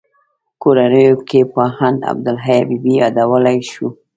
کورنیو کې پوهاند عبدالحی حبیبي یادولای شو.